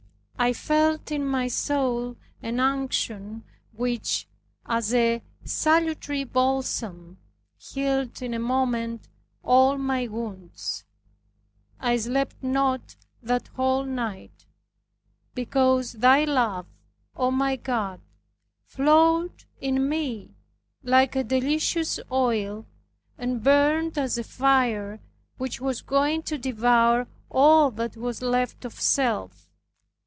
I felt in my soul an unction which, as a salutary balsam, healed in a moment all my wounds. I slept not that whole night, because Thy love, O my God, flowed in me like a delicious oil, and burned as a fire which was going to devour all that was left of self.